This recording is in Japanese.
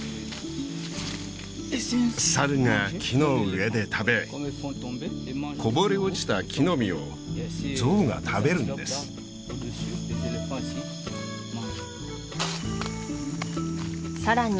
サルが木の上で食べこぼれ落ちた木の実をゾウが食べるんですさらに